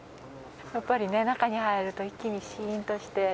やっぱり中に入ると一気にシーンとして。